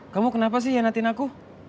kamu kenapa sih yanatin aku